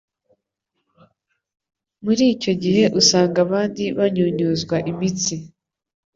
Muri icyo gihe usanga abandi banyunyuzwa imitsi